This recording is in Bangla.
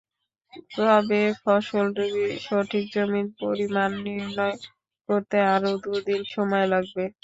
তবে ফসলডুবির সঠিক জমির পরিমাণ নির্ণয় করতে আরও দুদিন সময় লাগবে।